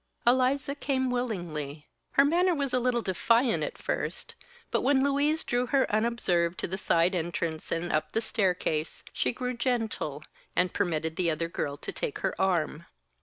Eliza came willingly. Her manner was a little defiant at first, but when Louise drew her unobserved to the side entrance and up the staircase she grew gentle and permitted the other girl to take her arm.